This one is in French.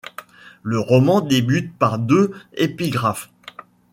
Le roman débute par deux épigraphes.